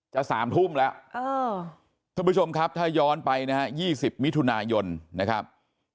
๓ทุ่มแล้วท่านผู้ชมครับถ้าย้อนไปนะฮะ๒๐มิถุนายนนะครับ